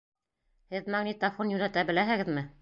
Һеҙ магнитофон йүнәтә беләһегеҙме?